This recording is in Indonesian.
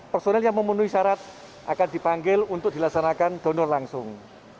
personel yang memenuhi syarat akan dipanggil untuk dilaksanakan donor langsung